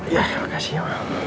terima kasih ya